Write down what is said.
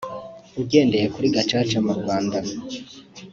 ugendeye kuri Gacaca mu Rwanda